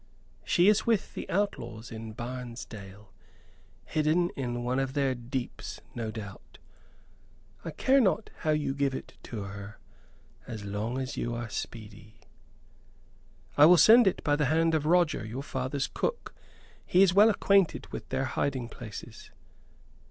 She is with the outlaws in Barnesdale, hidden in one of their deeps, no doubt. I care not how you give it to her so long as you are speedy." "I will send it by the hand of Roger, your father's cook. He is well acquainted with their hiding places."